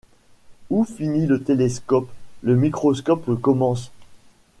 Où finit le télescope, le microscope commence.